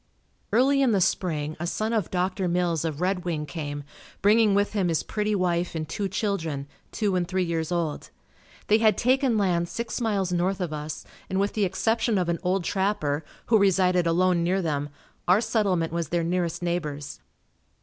Early in the spring, a son of Dr. Mills of Red Wing came, bringing with him his pretty wife and two children, two and three years old. They had taken land six miles north of us and with the exception of an old trapper, who resided alone near them, our settlement was their nearest neighbors.